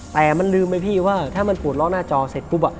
แต่มันลืมไหมพี่ว่าถ้ามันปวดล็อกหน้าจอเสร็จปุ๊บ